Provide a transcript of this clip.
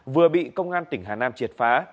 vừa bị công an tỉnh hà nam triệt phá